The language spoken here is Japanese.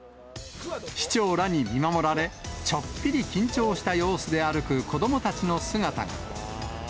市長らに見守られ、ちょっぴり緊張した様子で歩く子どもたちの姿が。